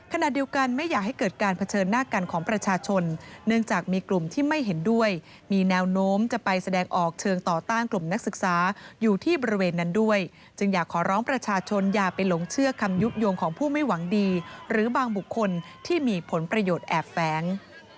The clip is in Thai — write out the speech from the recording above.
ขณะเดียวกันไม่อยากให้เกิดการเผชิญหน้ากันของประชาชนเนื่องจากมีกลุ่มที่ไม่เห็นด้วยมีแนวโน้มจะไปแสดงออกเชิงต่อต้านกลุ่มนักศึกษาอยู่ที่บริเวณนั้นด้วยจึงอยากขอร้องประชาชนอย่าไปหลงเชื่อคำยุโยงของผู้ไม่หวังดีหรือบางบุคคลที่มีผลประโยชน์แอบแฝง